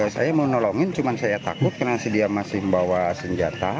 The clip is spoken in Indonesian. saya mau nolongin cuma saya takut karena dia masih membawa senjata